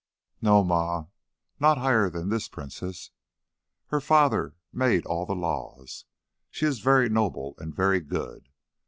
"No, Ma. Not higher than this princess. Her father made all the laws. She is very noble and very good.